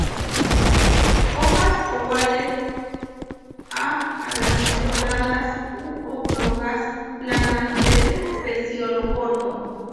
Hojas ovales a lanceoladas u oblongas, planas de pecíolo corto.